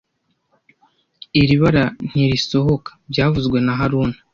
Iri bara ntirisohoka byavuzwe na haruna